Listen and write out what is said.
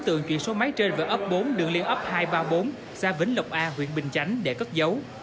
tượng chuyển số máy trên về ấp bốn đường liên ấp hai trăm ba mươi bốn xa vĩnh lộc a huyện bình chánh để cất dấu